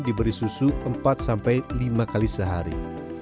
diberi susu empat sampai lima kali sehari